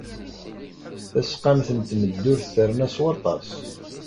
Tasqamt n tmeddurt terna s waṭas.